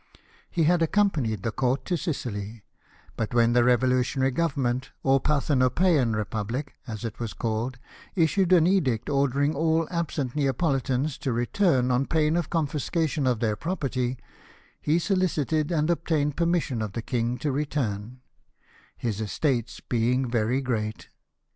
He had accompanied the Court to Sicily ; but when the revolutionary government, or Parthenopsean Republic, as it was called, issued an edict ordering all absent Neapolitans to return on pain of confiscation of their property, he solicited and obtained permission of the king to return, his estates being very great.